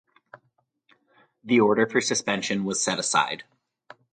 The order for suspension was set aside.